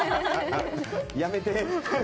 やめて。